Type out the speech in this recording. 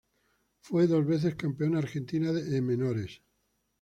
Fue dos veces campeona argentina de menores.